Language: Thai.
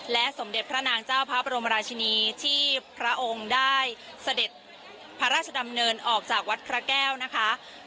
สมเด็จพระนางเจ้าพระบรมราชินีที่พระองค์ได้เสด็จพระราชดำเนินออกจากวัดพระแก้วนะคะ